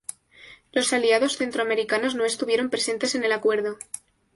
Los aliados centroamericanos no estuvieron presentes en el acuerdo.